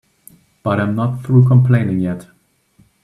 But I'm not through complaining yet.